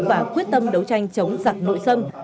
và quyết tâm đấu tranh chống giặc nội sâm